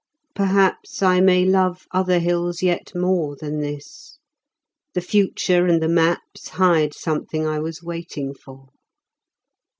Perhaps I may love other hills yet more Than this: the future and the maps Hide something I was waiting for.